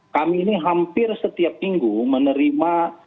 kami ini hampir setiap minggu menerima